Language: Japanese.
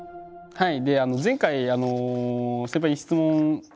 はい。